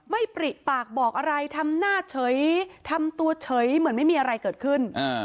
ปริปากบอกอะไรทำหน้าเฉยทำตัวเฉยเหมือนไม่มีอะไรเกิดขึ้น